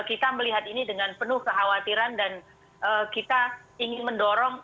kita melihat ini dengan penuh kekhawatiran dan kita ingin mendorong